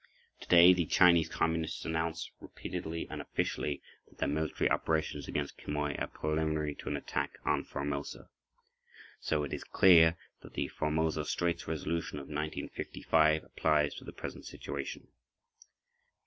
Today, the Chinese Communists announce, repeatedly and officially, that their military operations against Quemoy are preliminary to attack on Formosa. So it is clear that the Formosa Straits resolution of 1955 applies to the present situation.